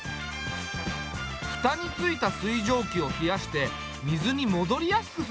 蓋についた水蒸気を冷やして水に戻りやすくするんだな。